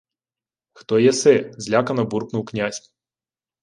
— Хто єси? — злякано буркнув князь.